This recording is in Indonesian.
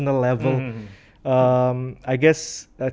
mungkin di level yang lebih pribadi